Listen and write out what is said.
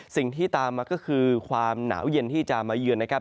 สิ่งที่ตามมาก็คือความหนาวเย็นที่จะมาเยือนนะครับ